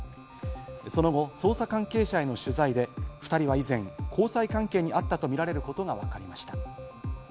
その後、捜査関係者への取材で２人は以前、交際関係にあったとみられることがわかりました。